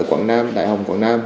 quảng nam đại hồng quảng nam